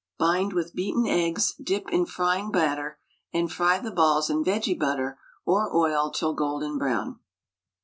Bind with beaten eggs, dip in frying batter, and fry the balls in vege butter or oil till golden brown.